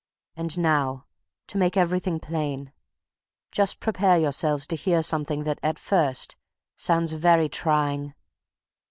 And now, to make everything plain, just prepare yourselves to hear something that, at first, sounds very trying.